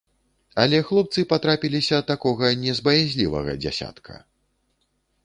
Але хлопцы патрапіліся такога не з баязлівага дзясятка.